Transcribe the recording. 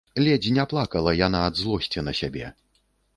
Ледзь не плакала яна ад злосці на сябе.